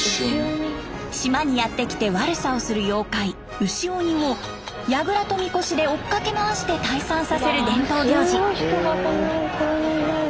島にやって来て悪さをする妖怪牛鬼をやぐらとみこしで追っかけ回して退散させる伝統行事。